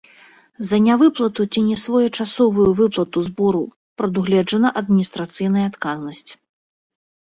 За нявыплату ці несвоечасовую выплату збору прадугледжана адміністрацыйная адказнасць.